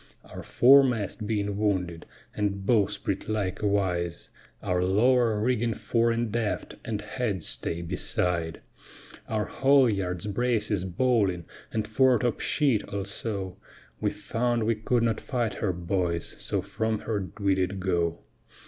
Our foremast being wounded, and bowsprit likewise; Our lower rigging fore and aft, and headstay beside; Our haulyards, braces, bowling, and foretop sheet also, We found we could not fight her, boys, so from her we did go.